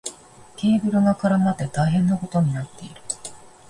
ケーブルが絡まって大変なことになっている。